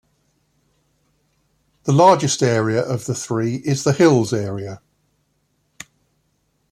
The largest area of the three is the hills area.